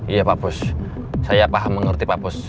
iya pak bos saya paham mengerti pak bos